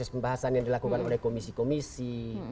proses pembahasan yang dilakukan oleh komisi komisi